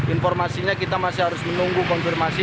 informasinya kita masih harus menunggu konfirmasi